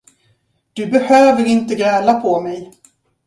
Du behöver inte gräla på mig.